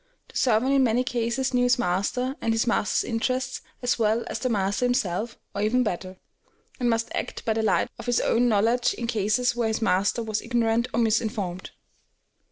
The servant in many cases knew his master and his master's interests as well as the master himself, or even better, and must act by the light of his own knowledge in cases where his master was ignorant or misinformed.